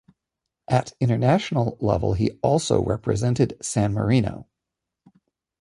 At international level, he also represented San Marino.